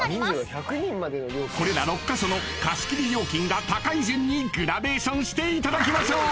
［これら６カ所の貸切料金が高い順にグラデーションしていただきましょう］